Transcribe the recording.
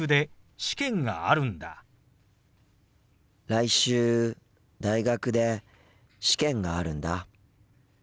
来週大学で試験があるんだ。